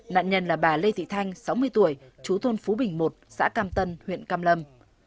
nạn nhân là bà lê thị thanh sáu mươi tuổi chú thôn phú bình một xã cam tân huyện cam lâm